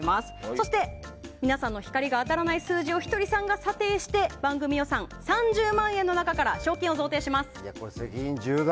そして、皆さんの光が当たらない数字をひとりさんが査定して番組予算３０万円の中から責任重大！